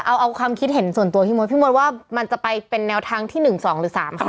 เอาความคิดเห็นส่วนตัวพี่มดพี่มดว่ามันจะไปเป็นแนวทางที่๑๒หรือ๓ครั้ง